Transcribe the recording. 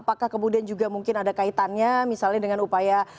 apakah kemudian juga mungkin ada kaitannya misalnya dengan upaya